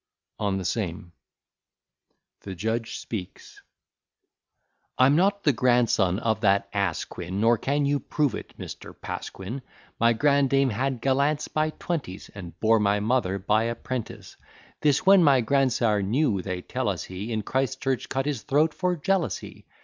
ON THE SAME THE JUDGE SPEAKS I'm not the grandson of that ass Quin; Nor can you prove it, Mr. Pasquin. My grandame had gallants by twenties, And bore my mother by a 'prentice. This when my grandsire knew, they tell us he In Christ Church cut his throat for jealousy.